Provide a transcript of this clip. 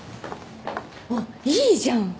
あっいいじゃん。